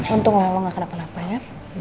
untung lah lo gak kenapa napa ya